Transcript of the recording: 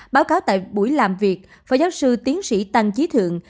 báo cáo tại buổi làm việc phó giáo sư tiến sĩ tăng trí thượng